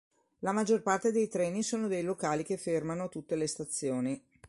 La maggior parte dei treni sono dei "Locali" che fermano a tutte le stazioni.